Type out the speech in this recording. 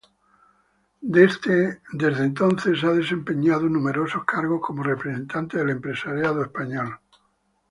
Desde entonces ha desempeñado numerosos cargos como representante del empresariado español.